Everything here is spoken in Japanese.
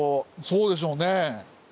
そうでしょうね。